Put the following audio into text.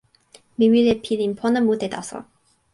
mi wile pilin pona mute taso.